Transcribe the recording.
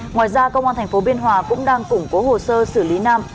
ngoài ra công an tp biên hòa cũng đang củng cố hồ sơ xử lý nam